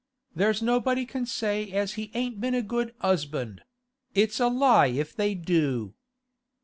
'There's nobody can say as he ain't been a good 'usband; it's a lie if they do.